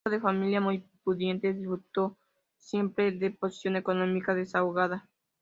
Hijo de familia muy pudiente, disfrutó siempre de posición económica desahogada.